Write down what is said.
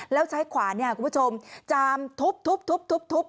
แล้วใช้ขวานคุณผู้ชมจามทุบ